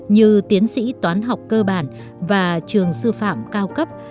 như tiến sĩ toán học cơ bản và trường sư phạm cao cấp